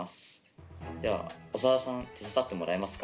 では長田さん手伝ってもらえますか？